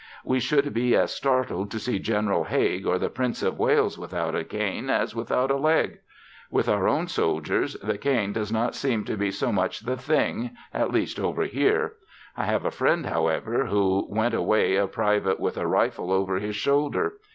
We should be as startled to see General Haig or the Prince of Wales without a cane as without a leg. With our own soldiers the cane does not seem to be so much the thing, at least over here. I have a friend, however, who went away a private with a rifle over his shoulder.